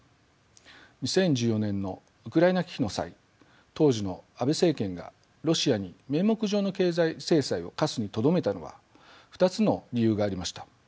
２０１４年のウクライナ危機の際当時の安倍政権がロシアに名目上の経済制裁を科すにとどめたのには２つの理由がありました。